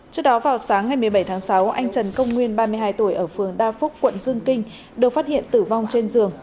trước đó vào sáng ngày một mươi bảy tháng sáu anh trần công nguyên ba mươi hai tuổi ở phường đa phúc quận dương kinh được phát hiện tử vong trên giường